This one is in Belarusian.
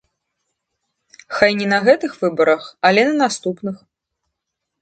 Хай не на гэтых выбарах, але на наступных.